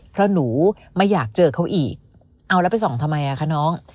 เพราะหนูไม่อยากเจอเขาอีกเอาแล้วไปส่องทำไมอ่ะคะน้อง